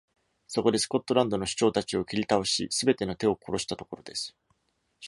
そこで、スコットランドの首長たちを切り倒し、すべての手を殺したところです。